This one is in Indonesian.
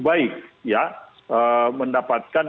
baik ya mendapatkan